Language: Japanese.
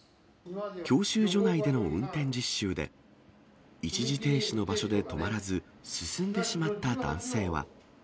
教習所内での運転実習で、一時停止の場所で止まらず進んでしまった男性は。